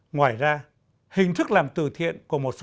ngoài ra hình thức làm từ thiện của một phụ nữ